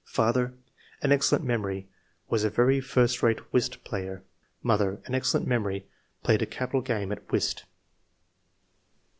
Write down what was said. " Father — An excellent memory ; was a very first rate whist player. Mother — An excellent memory ; played a capital game at whist."